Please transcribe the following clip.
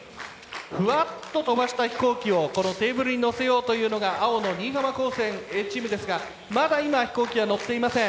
ふわっと飛ばした飛行機をこのテーブルに乗せようというのが青の新居浜高専Ａチームですがまだ今飛行機は乗っていません。